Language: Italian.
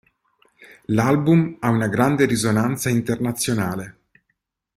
L'album ha una grande risonanza internazionale.